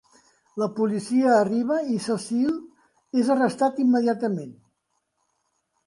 La policia arriba i Cecil és arrestat immediatament.